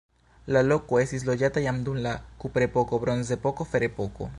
La loko estis loĝata jam dum la kuprepoko, bronzepoko, ferepoko.